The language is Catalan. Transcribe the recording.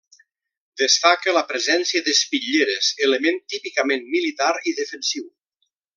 Destaca la presència d'espitlleres, element típicament militar i defensiu.